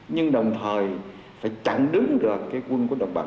nhưng đồng thời phải chặn đứng được cái quân của đồng bằng